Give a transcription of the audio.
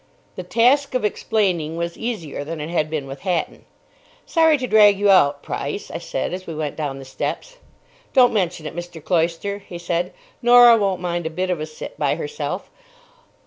The task of explaining was easier than it had been with Hatton. "Sorry to drag you out, Price," I said, as we went down the steps. "Don't mention it, Mr. Cloyster," he said. "Norah won't mind a bit of a sit by herself.